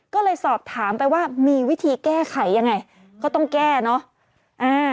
ก็เลยสอบถามไปว่ามีวิธีแก้ไขยังไงก็ต้องแก้เนอะ